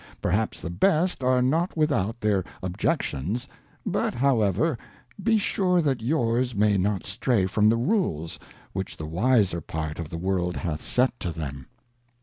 Perhaps the best are not without their Objections, but however, be sure that yours may not stray from the Rules which the wiser part of the World hath set to them.